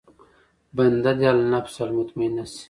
بنده دې النفس المطمئنه شي.